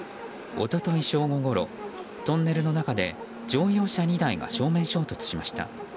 一昨日正午ごろトンネルの中で乗用車２台が正面衝突しました。